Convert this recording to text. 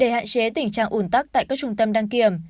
để hạn chế tình trạng ủn tắc tại các trung tâm đăng kiểm